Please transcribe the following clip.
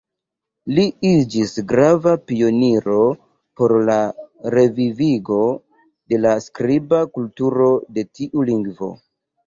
Li iĝis grava pioniro por la revivigo de la skriba kulturo de tiu lingvo.